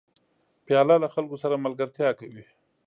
پیاله له خلکو سره ملګرتیا کوي.